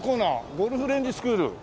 ゴルフレンジスクール。